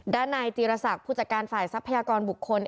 ด้านนายจีรศักดิ์ผู้จัดการฝ่ายทรัพยากรบุคคล